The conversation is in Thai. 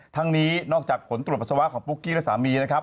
ทั้งนี้นอกจากผลตรวจปัสสาวะของปุ๊กกี้และสามีนะครับ